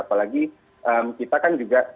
apalagi kita kan juga